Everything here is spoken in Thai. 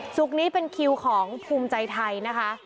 ศุกร์นี้เป็นคิวของภูมิใจไทยนะคะ